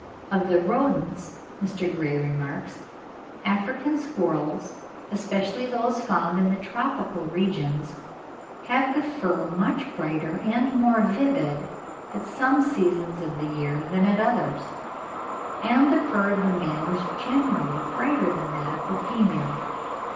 Of the Rodents, Dr. Gray remarks: "African squirrels, especially those found in the tropical regions, have the fur much brighter and more vivid at some seasons of the year than at others, and the fur of the male is generally brighter than that of the female."